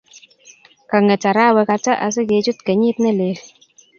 Kang'et arawek ata asigechut kenyit nelel?